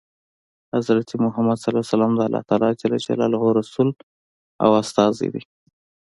حضرت محمد ﷺ د الله ﷻ رسول او استازی دی.